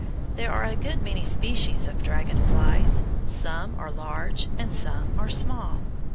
There are a good many species of dragon flies. Some are large and some are small.